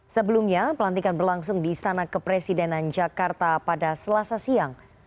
sebelumnya pelantikan berlangsung di istana kepresidenan jakarta pada selasa siang